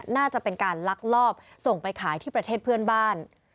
น่าจะเป็นการลักลอบส่งไปขายที่ประเทศเพื่อนบ้าน